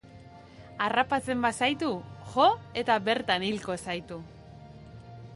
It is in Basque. Harrapatzen bazaitu, jo eta bertan hilko zaitu.